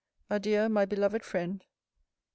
Adieu, my beloved friend. CL.